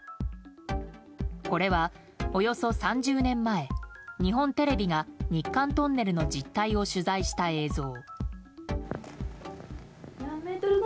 これは、およそ３０年前日本テレビが日韓トンネルの実態を取材した映像。